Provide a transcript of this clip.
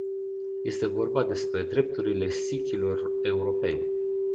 Este vorba despre drepturile sikhilor europeni.